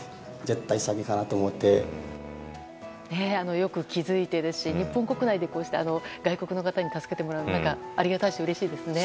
よく気付いているし日本国内でこうした外国の方に助けてもらうのはありがたいし、うれしいですね。